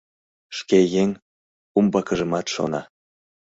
Шке еҥ — умбакыжымат шона...